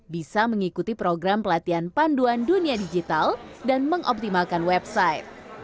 bisa mengikuti program pelatihan panduan dunia digital dan mengoptimalkan website